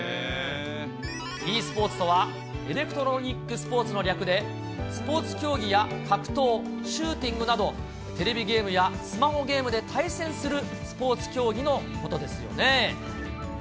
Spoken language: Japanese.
ｅスポーツとは、エレクトロニックスポーツの略で、スポーツ競技や格闘、シューティングなど、テレビゲームやスマホゲームで対戦するスポーツ競技のことですよね。